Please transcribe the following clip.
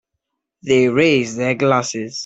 They raise their glasses.